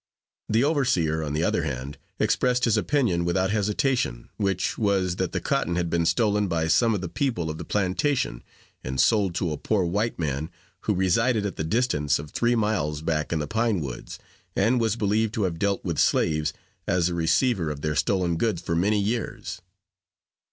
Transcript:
The overseer, on the other hand, expressed his opinion without hesitation, which was, that the cotton had been stolen by some of the people of the plantation, and sold to a poor white man, who resided at the distance of three miles back in the pine woods, and was believed to have dealt with slaves, as a receiver of their stolen goods, for many years.